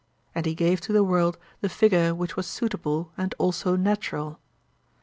And he gave to the world the figure which was suitable and also natural.